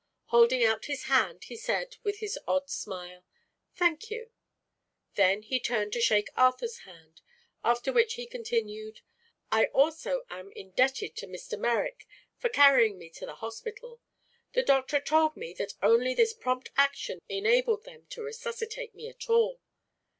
Holding out his hand he said with his odd smile: "Thank you." Then he turned to shake Arthur's hand, after which he continued: "I also am indebted to Mr. Merrick for carrying me to the hospital. The doctor told me that only this prompt action enabled them to resuscitate me at all.